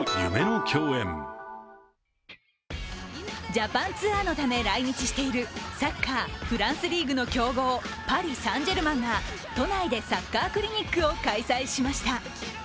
ジャパンツアーのため来日しているサッカー・フランスリーグの強豪パリ・サン＝ジェルマンが都内でサッカークリニックを開催しました。